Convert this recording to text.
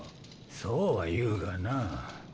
そうは言うがな。